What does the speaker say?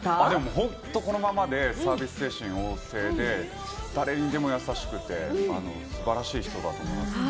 本当にこのままでサービス精神旺盛で、誰にでも優しくて素晴らしい人だと思う。